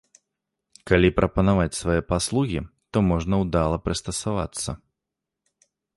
Калі прапанаваць свае паслугі, то можна ўдала прыстасавацца.